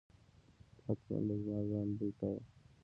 حتمآ به زما ځان بوی کاوه.